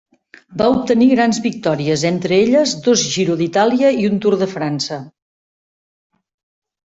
Va obtenir grans victòries, entre elles dos Giro d'Itàlia i un Tour de França.